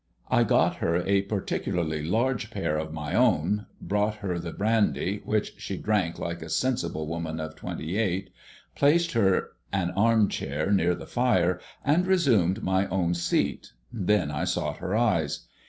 I got her a particularly large pair of my own, brought her the brandy, which she drank like a sensible woman of twenty eight, placed her an armchair near the fire, and resumed my own seat. Then I sought her eyes.